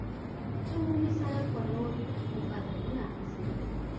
د عمومي سړک پر لور مو قدمونه اخیستل.